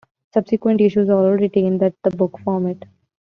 Subsequent issues all retained the book format.